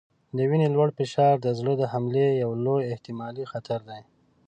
د وینې لوړ فشار د زړه د حملې یو لوی احتمالي خطر دی.